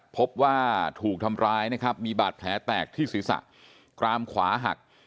พบว่าถูกทำร้ายนะครับมีบาดแผลแตกที่ศีรษะกรามขวาหัก